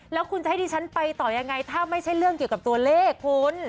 แล้วคุณจะให้ดิฉันไปต่อยังไงถ้าไม่ใช่เรื่องเกี่ยวกับตัวเลขคุณ